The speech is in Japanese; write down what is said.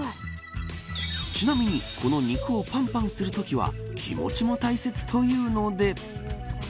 ちなみにお肉をパンパンするときは気持ちも大切というので。